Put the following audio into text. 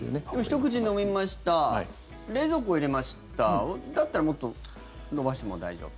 ひと口飲みました冷蔵庫入れましただったらもっと延ばしても大丈夫？